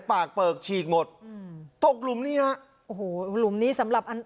ปากเปลือกฉีกหมดอืมตกหลุมนี้ฮะโอ้โหหลุมนี้สำหรับอัน